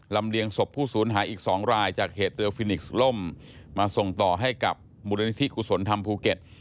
เลียงศพผู้สูญหายอีก๒รายจากเหตุเรือฟินิกส์ล่มมาส่งต่อให้กับมูลนิธิกุศลธรรมภูเก็ต